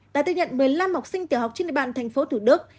lê văn thịnh đã tiêu nhận một mươi năm học sinh tiểu học trên địa bàn tp thủ đức